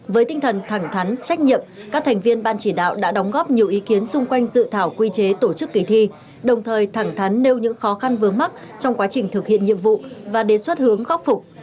với tinh thần thẳng thắn trách nhiệm các thành viên ban chỉ đạo đã đóng góp nhiều ý kiến xung quanh dự thảo quy chế tổ chức kỳ thi đồng thời thẳng thắn nêu những khó khăn vướng mắt trong quá trình thực hiện nhiệm vụ và đề xuất hướng khắc phục